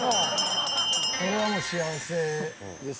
これは幸せです。